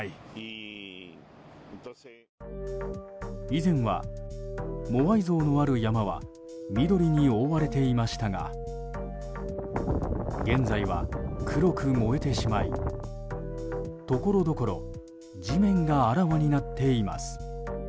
以前は、モアイ像のある山は緑に覆われていましたが現在は黒く燃えてしまいところどころ地面があらわになっています。